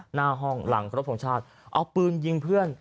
หน้าห้องหลังครบทรงชาติเอาปืนยิงเพื่อน